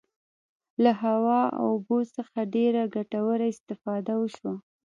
له هوا او اوبو څخه ډیره ګټوره استفاده وشوه.